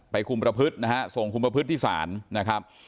คุมประพฤตินะฮะส่งคุมประพฤติที่ศาลนะครับ